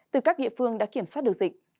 từ các địa phương đã kiểm soát được dịch